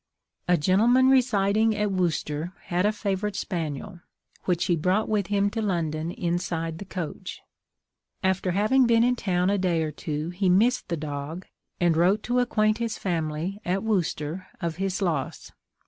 A gentleman residing at Worcester had a favourite spaniel, which he brought with him to London inside the coach. After having been in town a day or two he missed the dog, and wrote to acquaint his family at Worcester of his loss.